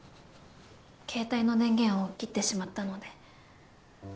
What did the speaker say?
携帯の電源を切ってしまったので。